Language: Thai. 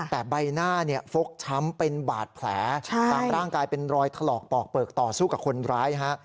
แต่ใบหน้าเนี่ยฟกช้ำเป็นบาดแผลตามร่างกายเป็นรอยถลอกปอกเปลือกต่อสู้กับคนร้ายฮะ